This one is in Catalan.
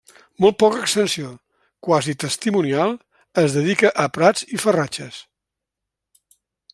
Molt poca extensió, quasi testimonial, es dedica a prats i farratges.